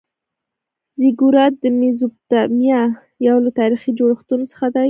زیګورات د میزوپتامیا یو له تاریخي جوړښتونو څخه دی.